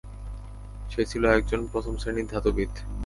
সে ছিল একজন প্রথম শ্রেণীর ধাতুবিদ।